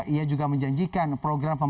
ia juga menjanjikan program pemerintah